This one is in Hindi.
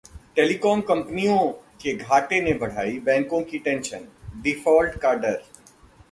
टेलीकॉम कंपनियों के घाटे ने बढ़ाई बैंकों की टेंशन, डिफॉल्ट का डर